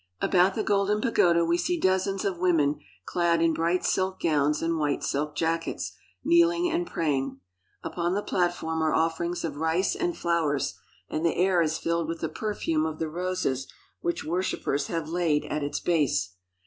About the Golden Pagoda we see dozens of women, clad in bright silk gowns and white silk jackets, kneeling and praying. Upon the platform are offerings of rice and flowers, and the air is filled with the perfume of the roses which worshipers have laid at its base.